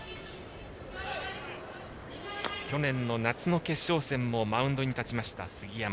去年の夏の決勝戦のマウンドに立った杉山。